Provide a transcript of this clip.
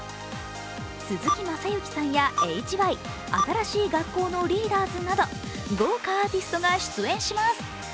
鈴木雅之さんやＨＹ、新しい学校のリーダーズなど、豪華アーティストが出演します。